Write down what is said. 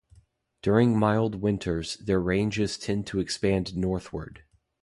During mild winters, their ranges tend to expand northward.